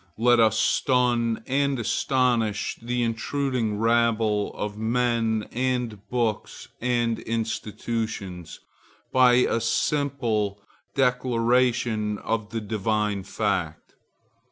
Let us stun and astonish the intruding rabble of men and books and institutions, by a simple declaration of the divine fact.